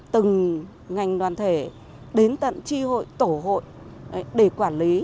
từng ngành đoàn thể đến tận tri hội tổ hội để quản lý